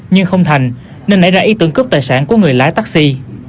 nhưng không thành nên nảy ra ý tưởng cướp tài sản của người lái taxi